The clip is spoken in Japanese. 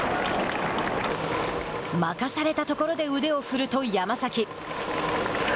任されたところで腕を振ると山崎。